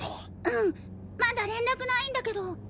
うんまだ連絡ないんだけど。